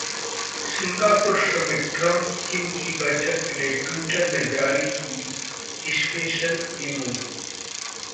Singapore summit: Trump Kim की बैठक के लिए ट्विटर ने जारी की स्पेशल इमोजी